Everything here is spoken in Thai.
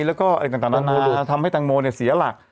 แล้วก็อะไรต่างทำให้ตังโมเนี่ยเสียหลัก